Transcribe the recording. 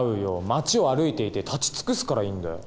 町を歩いていて立ち尽くすからいいんだよ。